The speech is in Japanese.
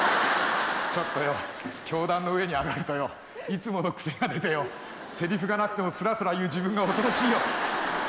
ちょっとよ教壇の上に上がるとよいつもの癖が出てよせりふがなくてもスラスラ言う自分が恐ろしいよ。